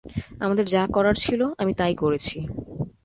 আমাদের যা করার ছিল আমি তাই করেছি।